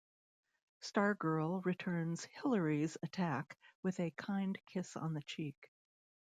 Stargirl returns Hillari's attack with a kind kiss on the cheek.